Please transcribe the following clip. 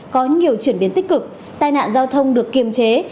có nhiều chuyển biến tích cực tai nạn giao thông được kiềm chế